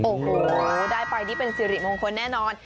โอ้โหได้ไปนี่เป็นสิริมงคลแน่นอน